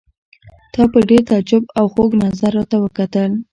تا په ډېر تعجب او خوږ نظر راته وکتل.